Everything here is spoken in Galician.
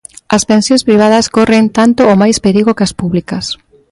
As pensións privadas corren tanto ou máis perigo que as públicas.